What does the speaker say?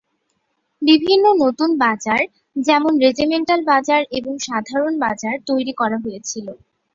বিভিন্ন নতুন বাজার যেমন রেজিমেন্টাল বাজার এবং সাধারণ বাজার তৈরি করা হয়েছিল।